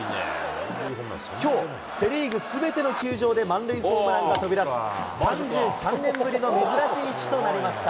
きょう、セ・リーグすべての球場で満塁ホームランが飛び出す、３３年ぶりの珍しい日となりました。